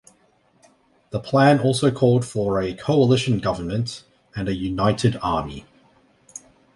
The plan also called for a coalition government and a united army.